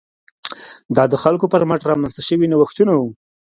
دا د خلکو پر مټ رامنځته شوي نوښتونه وو.